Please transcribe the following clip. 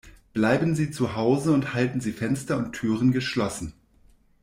Bleiben Sie zu Hause und halten Sie Fenster und Türen geschlossen.